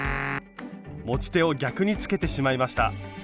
持ち手を逆につけてしまいました。